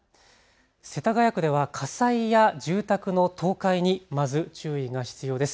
世田谷区では火災や住宅の倒壊にまず注意が必要です。